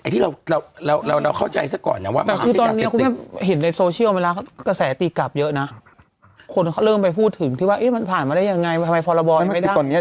ไอ้ที่เราเราเราเราเราเข้าใจซะก่อนนี้แต่คือตอนนี้